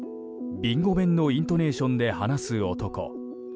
備後弁のイントネーションで話す男。